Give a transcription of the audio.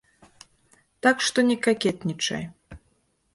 Так што не какетнічай.